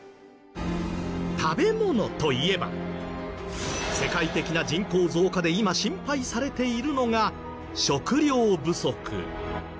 食べ物といえば世界的な人口増加で今心配されているのが食料不足。